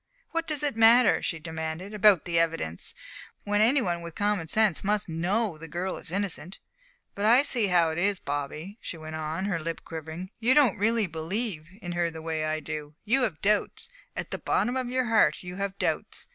"What does it matter," she demanded, "about the evidence, when any one with common sense must know the girl is innocent? But I see how it is, Bobby," she went on, her lip quivering. "You don't really believe in her the way that I do. You have doubts at the bottom of your heart you have doubts.